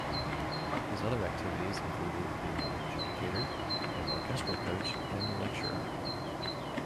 His other activities included being an adjudicator, an orchestral coach and a lecturer.